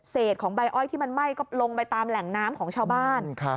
ของใบอ้อยที่มันไหม้ก็ลงไปตามแหล่งน้ำของชาวบ้าน